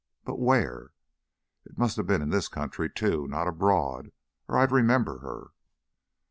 But where? It must have been in this country, too not abroad or I'd remember her."